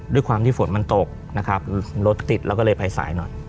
ด้วยความที่ฝนมันตกนะครับรถติดเราก็เลยไปสายหน่อย